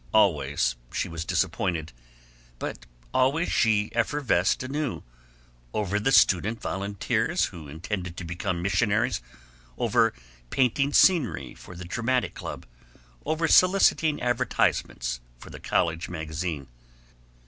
Always she was disappointed, but always she effervesced anew over the Student Volunteers, who intended to become missionaries, over painting scenery for the dramatic club, over soliciting advertisements for the college magazine.